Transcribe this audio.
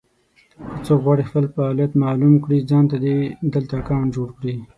که څوک غواړي خپل فعالیت مالوم کړي ځانته دې دلته اکونټ جوړ کړي.